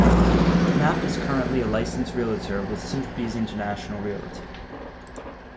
Knapp is currently a licensed realtor with Sotheby's International Realty.